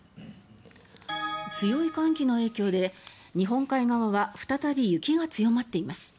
強い寒気の影響で、日本海側は再び雪が強まっています。